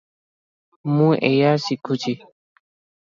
ମୁଁ ଏଆଇ ଶିଖୁଛି।